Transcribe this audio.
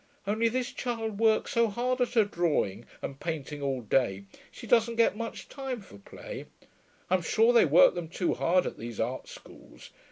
'Only this child works so hard at her drawing and painting all day, she doesn't get much time for play. I'm sure they work them too hard at these art schools.